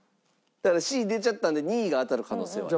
だからＣ出ちゃったんで２位が当たる可能性はあります。